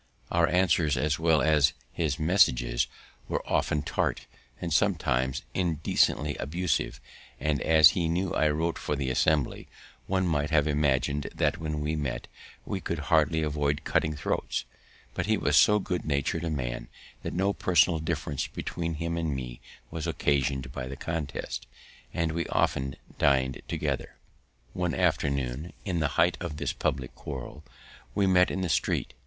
Our answers, as well as his messages, were often tart, and sometimes indecently abusive; and, as he knew I wrote for the Assembly, one might have imagined that, when we met, we could hardly avoid cutting throats; but he was so good natur'd a man that no personal difference between him and me was occasion'd by the contest, and we often din'd together. [Illustration: "One afternoon, in the height of this public quarrel, we met in the street"] One afternoon, in the height of this public quarrel, we met in the street.